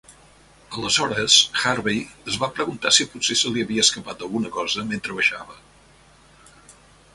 Aleshores, Harvey es va preguntar si potser se li havia escapat alguna cosa mentre baixava.